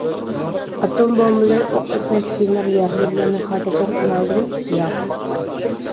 ئاتوم بومبىلىرى، ئوق ئۆتمەس كىيىملەر يەھۇدىيلارنى خاتىرجەم قىلالىدىمۇ؟ ياق.